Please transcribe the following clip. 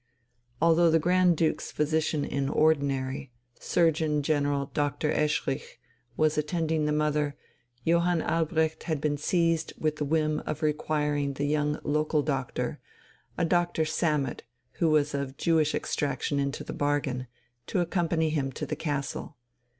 Although the Grand Duke's Physician in Ordinary, Surgeon General Dr. Eschrich, was attending the mother, Johann Albrecht had been seized with the whim of requiring the young local doctor, a Doctor Sammet, who was of Jewish extraction into the bargain, to accompany him to the castle.